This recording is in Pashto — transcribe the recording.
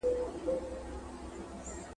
زیړ زبېښلی هم له وهمه رېږدېدلی `